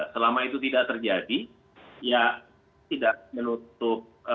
selama itu tidak terjadi ya tidak menutup